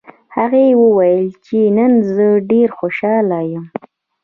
هغې وویل چې نن زه ډېره خوشحاله یم